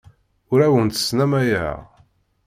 Ur awent-snamayeɣ.